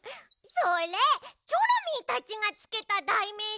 それチョロミーたちがつけただいめいじゃん！